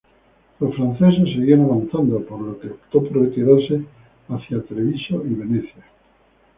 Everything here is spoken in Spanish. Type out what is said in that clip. Los franceses seguían avanzando, por lo que optó por retirarse hacía Treviso y Venecia.